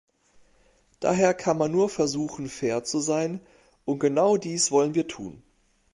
Daher kann man nur versuchen, fair zu sein, und genau dies wollen wir tun.